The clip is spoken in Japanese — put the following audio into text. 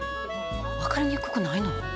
分かりにくくないの？